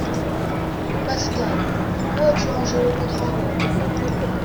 Pascal, où as-tu rangé le contrat?